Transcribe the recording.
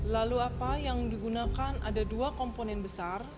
lalu apa yang digunakan ada dua komponen besar